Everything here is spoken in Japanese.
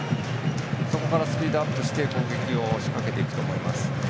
そこからスピードアップして攻撃を仕掛けていくと思います。